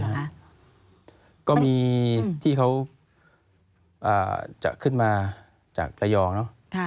ใช่ครับก็มีที่เขาจะขึ้นมาจากไลยองเนอะ